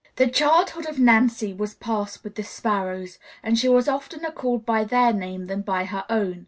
The childhood of Nancy was passed with the Sparrows, and she was oftener called by their name than by her own.